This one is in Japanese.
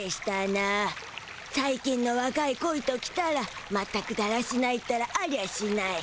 さい近のわかいコイときたらまったくだらしないったらありゃしない。